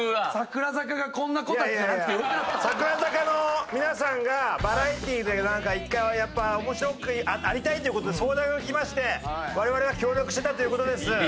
櫻坂の皆さんがバラエティでなんかやっぱ面白くありたいっていう事で相談がきまして我々が協力してたという事です。